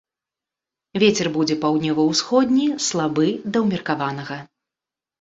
Вецер будзе паўднёва-ўсходні, слабы да ўмеркаванага.